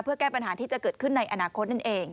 เพื่อแก้ปัญหาที่จะเกิดขึ้นในอนาคตนั่นเอง